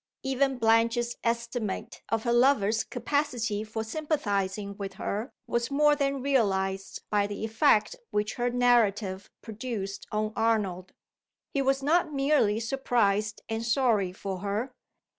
Even Blanche's estimate of her lover's capacity for sympathizing with her was more than realized by the effect which her narrative produced on Arnold. He was not merely surprised and sorry for her.